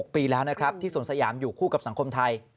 ปีแล้วนะครับที่สวนสยามอยู่คู่กับสังคมไทย